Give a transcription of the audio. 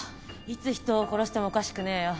いつ人を殺してもおかしくねえよ。